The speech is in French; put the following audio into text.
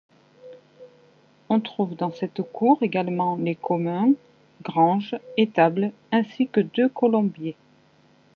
On trouve dans cette cour également, les communs, granges, étables, ainsi que deux colombiers.